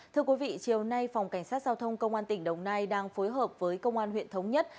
thưa quý vị chiều nay phòng cảnh sát giao thông công an tỉnh đồng nai đang phối hợp với công an huyện thống nhất